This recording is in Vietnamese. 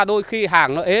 đôi khi hàng nó ế